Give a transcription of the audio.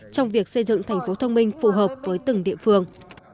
trong việc xây dựng thành phố thông minh phù hợp với từng địa phương